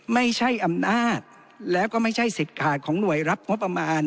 ไม่ใช่อำนาจแล้วก็ไม่ใช่สิทธิ์ขาดของหน่วยรับงบประมาณ